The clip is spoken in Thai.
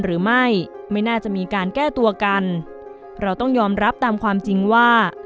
หรือไม่ไม่น่าจะมีการแก้ตัวกันเราต้องยอมรับตามความจริงว่า